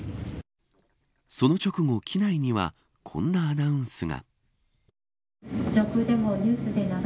その直後、機内にはこんなアナウンスが。